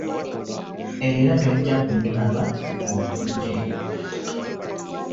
Era tojja kumulaba bw'otojje.